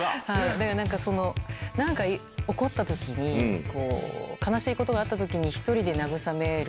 だからなんか、なんか起こったときに、悲しいことがあったときに１人で慰める。